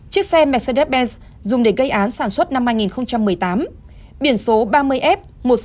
chiếc xe mercedes benz dùng để gây án sản xuất năm hai nghìn một mươi tám biển số ba mươi f một mươi sáu nghìn tám trăm sáu mươi năm